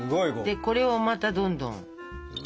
でこれをまたどんどん。